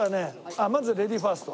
あっまずレディーファースト。